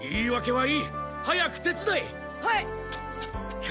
はい！